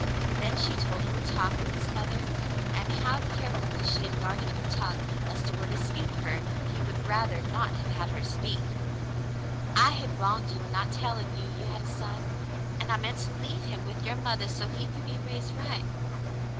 Then she told of her talk with his mother and how care fully she had guarded her tongue lest a word escape her he would rather not have had her speak. "I had wronged you in not telling you you had a son, and I meant to leave him with your mother so he could be raised right."